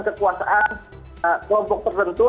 kekuasaan kompok tertentu